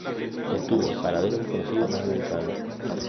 Estuvo en paradero desconocido más de veinte años.